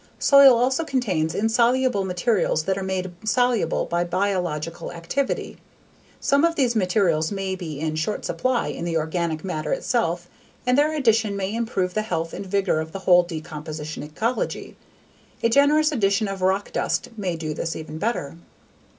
Soil also contains insoluble minerals that are made soluble by biological activity. Some of these minerals may be in short supply in the organic matter itself and their addition may improve the health and vigor of the whole decomposition ecology. A generous addition of rock dust may do this even better.